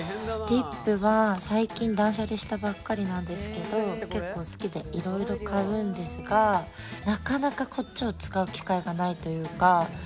リップは最近断捨離したばっかりなんですけど結構好きでいろいろ買うんですがなかなかこっちを使う機会がないというか。